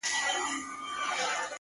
کوي اشارتونهو درد دی غم دی خو ته نه يې